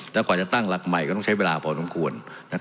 แล้วกว่าจะตั้งหลักใหม่ก็ต้องใช้เวลาพอสมควร